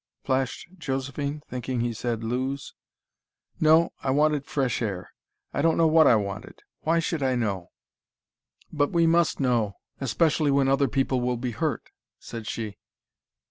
flashed Josephine, thinking he said lose. "No, I wanted fresh air. I don't know what I wanted. Why should I know?" "But we must know: especially when other people will be hurt," said she.